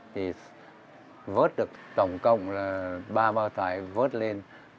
thì vớt được tổng cộng là ba bao tải vớt lên